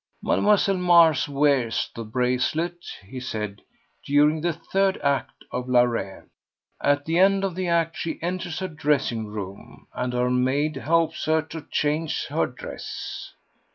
"Mlle. Mars wears the bracelet," he said, "during the third act of Le Rêve. At the end of the act she enters her dressing room, and her maid helps her to change her dress.